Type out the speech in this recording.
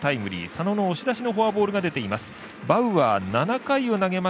佐野の押し出しのフォアボールが出ています。